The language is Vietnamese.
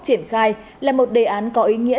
triển khai là một đề án có ý nghĩa